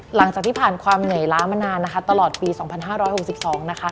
หลังจากที่ผ่านความเหนื่อยล้ามานานนะคะตลอดปี๒๕๖๒นะคะ